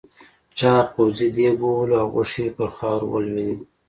چاغ پوځي دېگ ووهلو او غوښې پر خاورو ولوېدې.